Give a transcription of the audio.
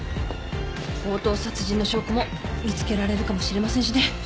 強盗殺人の証拠も見つけられるかもしれませんしね